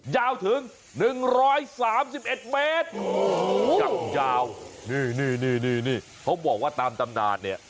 ยาวถึง๑๓๑เมตรจับยาวนี่เขาบอกว่าตามตำนานเนี่ย